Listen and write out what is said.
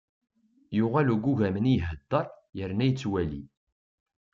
Yuɣal ugugam-nni iheddeṛ, yerna yettwali.